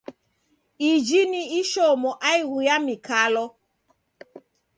Iji ni ishomo aighu ya mikalo.